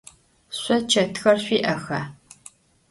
Şso çetxer şsui'exa?